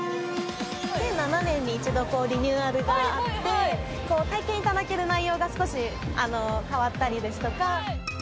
２００７年に一度、リニューアルがあって、体験いただける内容が少し変わったりですとか。